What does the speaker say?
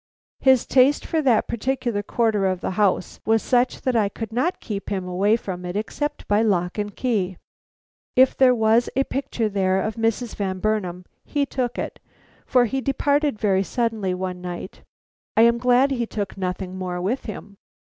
His taste for that particular quarter of the house was such that I could not keep him away from it except by lock and key. If there was a picture there of Mrs. Van Burnam, he took it, for he departed very suddenly one night. I am glad he took nothing more with him.